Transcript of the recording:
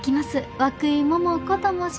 涌井桃子と申します。